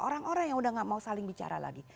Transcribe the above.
orang orang yang sudah tidak mau saling bicara lagi